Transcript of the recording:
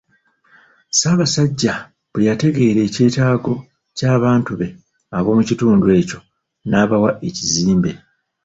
Ssaabasajja bwe yategeera ekyetaago ky'abantu be ab'omu kitundu ekyo, n'abawa ekizimbe.